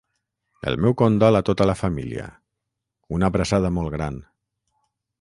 El meu condol a tot la família, una abraçada molt gran.